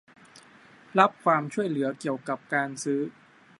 รับความช่วยเหลือเกี่ยวกับการซื้อ